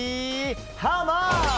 ハウマッチ。